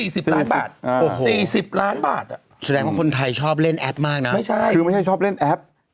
แสดงว่าคนไทยชอบเล่นแอปมากนะไม่ใช่คือไม่ใช่ชอบเล่นแอป